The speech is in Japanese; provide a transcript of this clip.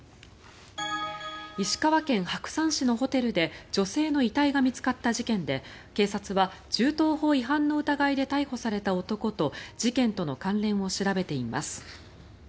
石川県白山市のホテルで女性の遺体が見つかった事件で警察は銃刀法違反の疑いで逮捕された男と事件との関連を調べています。